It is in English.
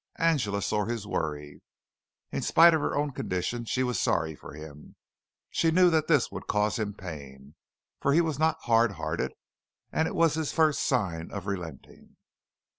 Angela saw his worry. In spite of her own condition she was sorry for him. She knew that this would cause him pain, for he was not hard hearted, and it was his first sign of relenting.